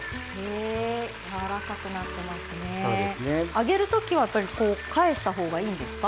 揚げる時はやっぱり返したほうがいいんですか？